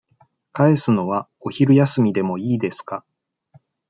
返すのは、お昼休みでもいいですか。